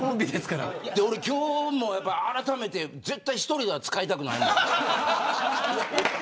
今日もあらためて絶対に１人では使いたくないもん。